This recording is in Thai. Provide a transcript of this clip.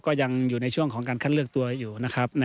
ก็ยังอยู่ในช่วงของการคัดเลือกตัวอยู่นะครับ